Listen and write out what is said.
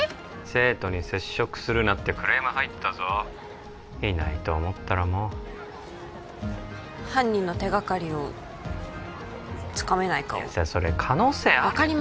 生徒に接触するなってクレーム入ったぞいないと思ったらもう犯人の手がかりをつかめないかをいやさそれ可能性ある？